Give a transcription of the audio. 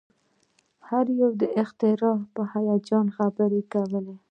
هر یو د اختراع په هیجان خبرې کولې